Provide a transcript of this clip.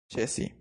ĉesi